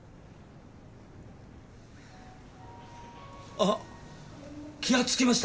あっ気がつきましたか？